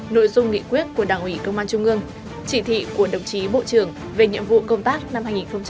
nội dung nghị quyết của đảng ủy công an trung ương chỉ thị của đồng chí bộ trưởng về nhiệm vụ công tác